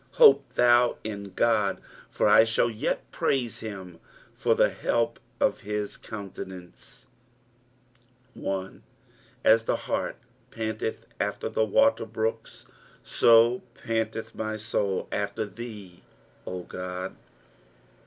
hope thou in God : for I shall yet praise him for the help of his countenance. 1. " As th4 hart panteth qftar tht wtt^rWoott. so panteth my tord after ibse, . O Ood."